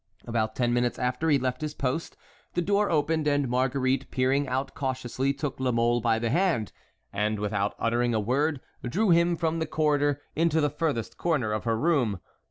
About ten minutes after he left his post, the door opened, and Marguerite, peering out cautiously, took La Mole by the hand and, without uttering a word, drew him from the corridor into the furthest corner of her room.